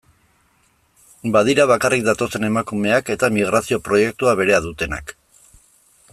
Badira bakarrik datozen emakumeak eta migrazio proiektua berea dutenak.